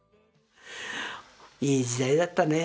いい時代だったね。